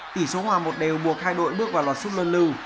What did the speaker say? tỷ số hòa một đều buộc hai đội bước vào loạt súp luân lưu